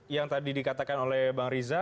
yang tadi dikatakan oleh bang riza